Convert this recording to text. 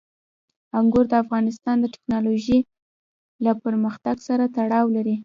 انګور د افغانستان د تکنالوژۍ له پرمختګ سره تړاو لري.